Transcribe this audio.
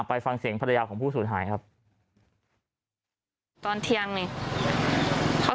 ไปฟังเสียงพระราชของผู้สุธายครับตอนเทียงนี่เขา